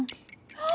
あ